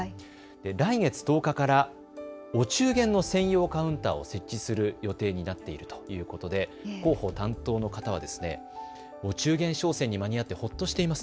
来月１０日からお中元の専用カウンターを設置する予定になっているということで広報担当の方はお中元商戦に間に合ってほっとしています。